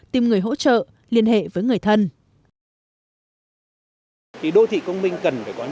tìm người hỗ trợ liên hệ với người thân